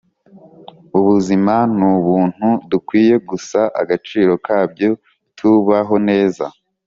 ubuzima nubuntu dukwiye gusa agaciro kabyo tubaho neza.